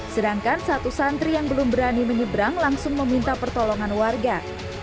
sedangkan satu santri yang belum berani menyeberang langsung meminta pertolongan warga